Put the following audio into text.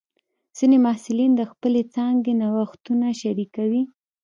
ځینې محصلین د خپلې څانګې نوښتونه شریکوي.